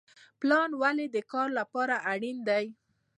پلان ولې د کار لپاره اړین دی؟